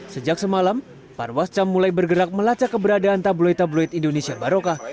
sejak semalam panwascam mulai bergerak melacak keberadaan tabloid tabloid indonesia baroka